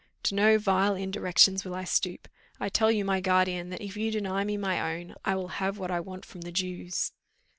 To no vile indirections will I stoop. I tell you, my guardian, that if you deny me my own, I will have what I want from the Jews."